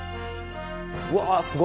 うわすごい。